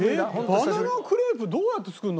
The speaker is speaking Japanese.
バナナクレープどうやって作るの？